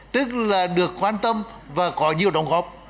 tức là được quan tâm và có nhiều đóng góp